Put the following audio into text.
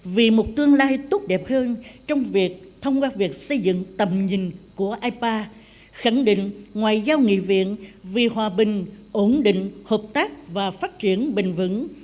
vì một tương lai tốt đẹp hơn trong việc thông qua việc xây dựng tầm nhìn của ipa khẳng định ngoại giao nghị viện vì hòa bình ổn định hợp tác và phát triển bình vững